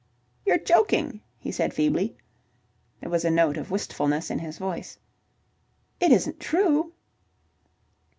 "You're joking," he said, feebly. There was a note of wistfulness in his voice. "It isn't true?"